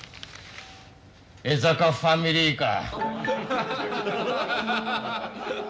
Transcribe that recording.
江坂ファミリーか。